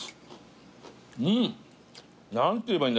うん！